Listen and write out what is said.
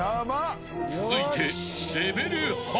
［続いて］